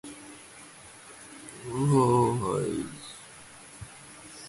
Federman, who was Jewish, was born in Montrouge, France.